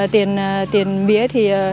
tiền mía thì